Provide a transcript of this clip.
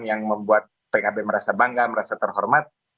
yang membuat pkb merasa bangga merasa terhormat